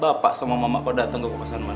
bapak sama mamak kau datang ke pupusan man